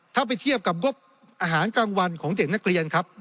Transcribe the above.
ถ้าไปเทียบกับงบอาหารกลางวันของเด็กนักเรียนครับ